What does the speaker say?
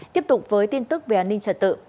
tiếp tục với tin tức về an ninh trật tự